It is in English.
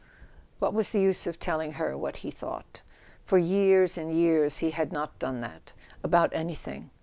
What was the use of telling her what he thought? For years and years he had not done that—about any¬ thing.